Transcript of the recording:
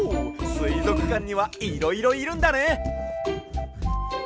すいぞくかんにはいろいろいるんだね！